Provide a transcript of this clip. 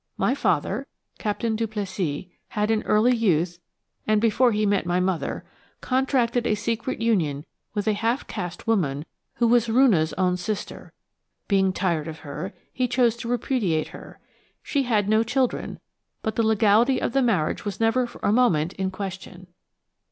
My father, Captain Duplessis, had in early youth, and before he met my mother, contracted a secret union with a half caste woman, who was Roonah's own sister. Being tired of her, he chose to repudiate her–she had no children–but the legality of the marriage was never for a moment in question.